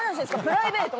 プライベート？